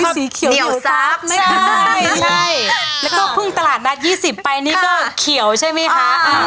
สีเขียวเดี่ยวซับใช่ใช่แล้วก็พึ่งตลาดนัดยี่สิบไปนี่ก็เขียวใช่มั้ยคะ